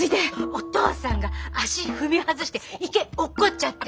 お父さんが足踏み外して池落っこっちゃって。